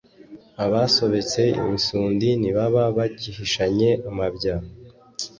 abasobetse imisundi ntibaba bagihishanye amabya